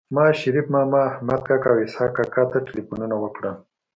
ما شريف ماما احمد کاکا او اسحق کاکا ته ټيليفونونه وکړل